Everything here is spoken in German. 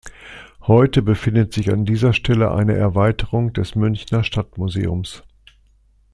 Heute befindet sich an dieser Stelle eine Erweiterung des Münchner Stadtmuseums.